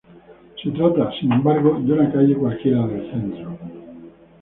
Se trata, sin embargo, de una calle cualquiera del centro.